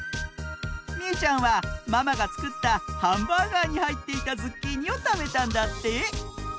みうちゃんはママがつくったハンバーガーにはいっていたズッキーニをたべたんだって！